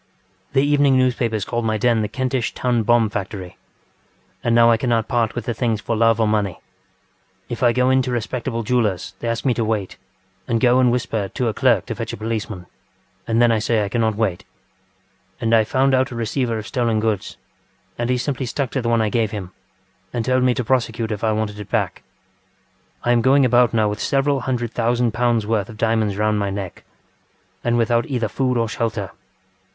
The evening newspapers called my den the Kentish Town Bomb Factory. And now I cannot part with the things for love or money. ŌĆ£If I go in to respectable jewellers they ask me to wait, and go and whisper to a clerk to fetch a policeman, and then I say I cannot wait. And I found out a receiver of stolen goods, and he simply stuck to the one I gave him and told me to prosecute if I wanted it back. I am going about now with several hundred thousand pounds worth of diamonds round my neck, and without either food or shelter.